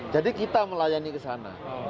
jadi kita melayani ke sana